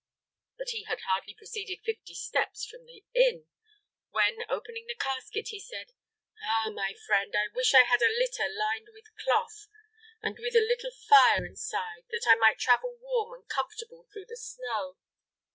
But he had hardly proceeded fifty steps from the inn, when, opening the casket, he said: "Ah, my friend, I wish I had a litter lined with cloth, and with a little fire inside, that I might travel warm and comfortable through the snow!"